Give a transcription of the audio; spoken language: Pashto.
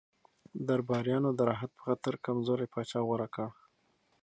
درباریانو د راحت په خاطر کمزوری پاچا غوره کړ.